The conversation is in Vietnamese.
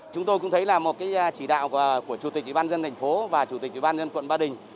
chúng tôi cũng thấy là một chỉ đạo của chủ tịch ủy ban dân thành phố và chủ tịch ủy ban dân quận ba đình